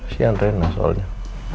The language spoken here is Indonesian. sih yang rena soalnya